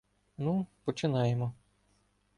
Ну, починаємо.